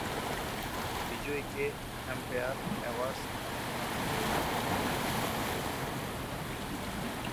বিজয়ীকে Empire Awards মূর্তি প্রদান করা হয়ে থাকে।